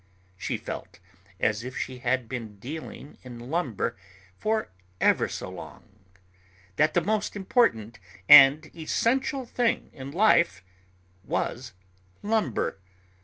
She felt as if she had been dealing in lumber for ever so long, that the most important and essential thing in life was lumber.